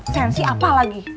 sensi apa lagi